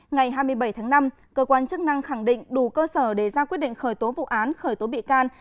ngày hai mươi bảy tháng năm cơ quan chức năng khẳng định đủ cơ sở để ra quyết định khởi tố vụ án khởi tố bị can